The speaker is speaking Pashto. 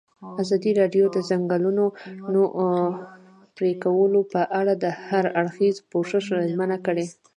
ازادي راډیو د د ځنګلونو پرېکول په اړه د هر اړخیز پوښښ ژمنه کړې.